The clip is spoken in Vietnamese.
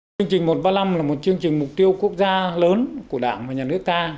chương trình một trăm ba mươi năm là một chương trình mục tiêu quốc gia lớn của đảng và nhà nước ta